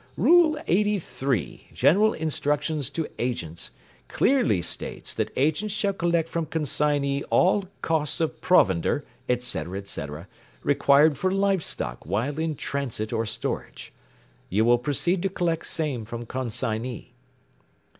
Rule 83, General Instruction to Agents, clearly states that agents shall collect from consignee all costs of provender, etc., etc., required for live stock while in transit or storage. You will proceed to collect same from consignee.